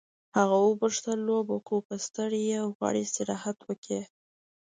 هغه وپوښتل لوبه کوو که ستړی یې او غواړې استراحت وکړې.